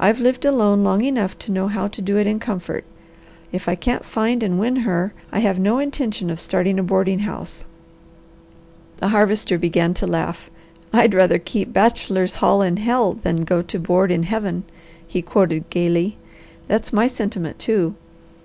I've lived alone long enough to know how to do it in comfort. If I can't find and win her I have no intention of starting a boarding house." The Harvester began to laugh. "'I'd rather keep bachelor's hall in Hell than go to board in Heaven!'" he quoted gaily. "That's my sentiment too.